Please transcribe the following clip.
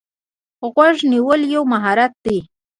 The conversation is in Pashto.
غوږ نیول یو مهارت دی.